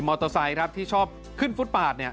มอเตอร์ไซต์ที่ชอบขึ้นฟุตปาด